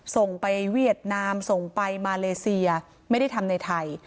ส่งไปเวียดนามส่งไปมาเลเซียไม่ได้ทำในไทย